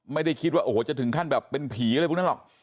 ไม่ได้คิดว่าโอ้โหจะถึงขั้นแบบเป็นผีอะไรพวกนั้นหรอก